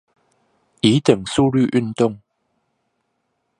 以等速率運動